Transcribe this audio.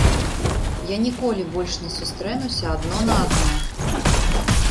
Я ніколі больш не сустрэнуся адно на адно.